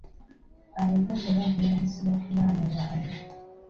Abazadde bavunaanyizibwa ku baana baabwe.